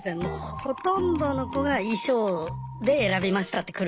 ほとんどの子が衣装で選びましたって来る。